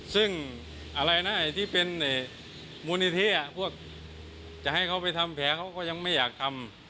ซึ่งอะไรนะที่เป็นมูลนิธิพวกจะให้เขาไปทำแผลเขาก็ยังไม่อยากทำ